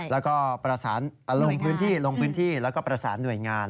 แล้วก็ประสานลงพื้นที่ลงพื้นที่แล้วก็ประสานหน่วยงาน